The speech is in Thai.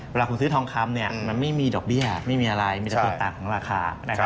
เวลาคุณซื้อทองคำมันไม่มีดอกเบี้ยไม่มีอะไรมีแต่ส่วนต่างของราคานะครับ